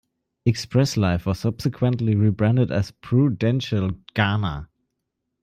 Express Life was subsequently rebranded as Prudential Ghana.